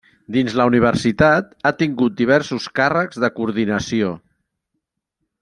Dins de la universitat ha tingut diversos càrrecs de coordinació.